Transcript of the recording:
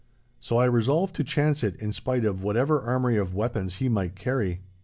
So I resolved to chance it, in spite of whatever armoury of weapons he might carry.